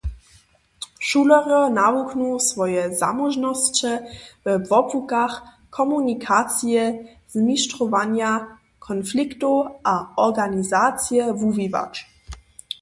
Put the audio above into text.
Šulerjo nawuknu swoje zamóžnosće we wobłukach komunikacije, zmištrowanja konfliktow a organizacije wuwiwać.